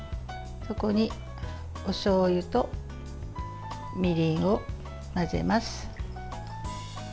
そこにおしょうゆとみりんを混ぜます。